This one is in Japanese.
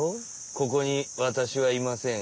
ここにわたしはいません。